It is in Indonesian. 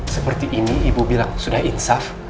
seperti ini ibu bilang sudah insah